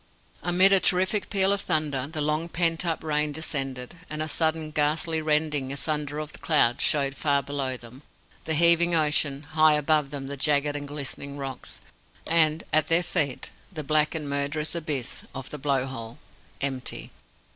Amid a terrific peal of thunder, the long pent up rain descended, and a sudden ghastly rending asunder of the clouds showed far below them the heaving ocean, high above them the jagged and glistening rocks, and at their feet the black and murderous abyss of the Blowhole empty.